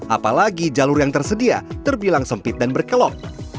apalagi jalur yang tersedia terbilang sempit dan berkelok